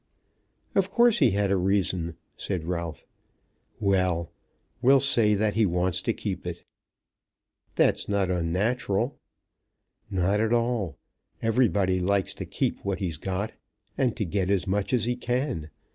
"Of course he had a reason," said Ralph. "Well; we'll say that he wants to keep it." "That's not unnatural." "Not at all. Everybody likes to keep what he's got, and to get as much as he can.